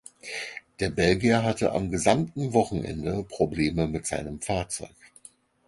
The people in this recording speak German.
Der Belgier hatte am gesamten Wochenende Probleme mit seinem Fahrzeug.